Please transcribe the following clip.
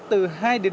từ hai tỷ đồng